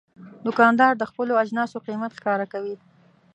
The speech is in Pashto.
دوکاندار د خپلو اجناسو قیمت ښکاره کوي.